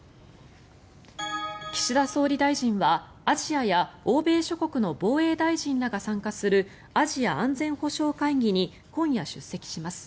岸田総理大臣はアジアや欧米諸国の防衛大臣らが参加するアジア安全保障会議に今夜、出席します。